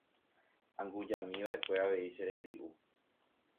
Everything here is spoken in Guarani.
Angujami va'ekue avei che rembi'u.